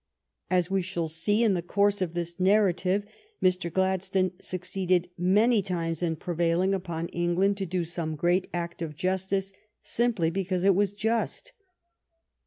As we shall see in the course of this narrative, Mr. Gladstone suc ceeded many times in prevailing upon England to do some great act of justice sim ply because it was just.